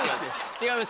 違います